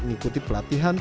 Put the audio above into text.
melalui t jeremyangle